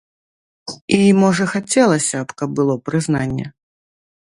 І можа хацелася б, каб было прызнанне.